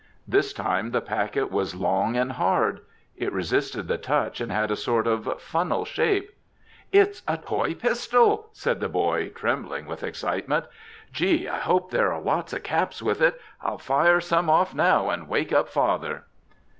This time the packet was long and hard. It resisted the touch and had a sort of funnel shape. "It's a toy pistol!" said the boy, trembling with excitement. "Gee! I hope there are lots of caps with it! I'll fire some off now and wake up father."